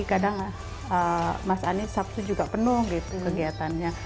kadang mas anies sabtu juga penuh gitu kegiatannya